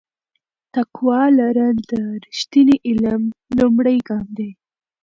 تقوا لرل د رښتیني علم لومړی ګام دی.